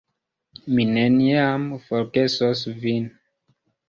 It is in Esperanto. Mi neniam forgesos vin!